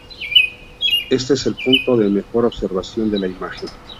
Este es el punto de mejor observación de la imagen.